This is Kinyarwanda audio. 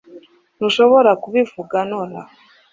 Ntushobora kubivuga nonaha